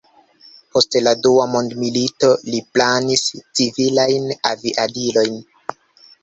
Post la dua mondmilito, li planis civilajn aviadilojn.